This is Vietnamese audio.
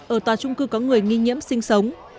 ở tòa trung cư có người nghi nhiễm sinh sống